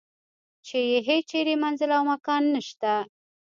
چې یې هیچرې منزل او مکان نشته.